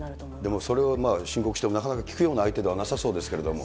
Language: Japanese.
でもそれを申告してもなかなか聞くような相手ではなさそうですけれども。